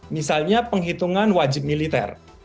misalnya penghitungan wajib militer